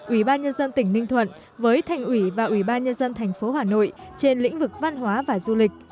ủy ban nhân dân tỉnh ninh thuận với thành ủy và ủy ban nhân dân thành phố hà nội trên lĩnh vực văn hóa và du lịch